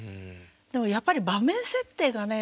でもやっぱり場面設定がね